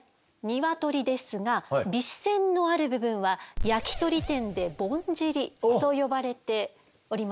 鶏ですが尾脂腺のある部分は焼き鳥店で「ぼんじり」と呼ばれておりますね。